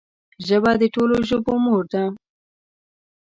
ژبه د ټولو ژبو مور ده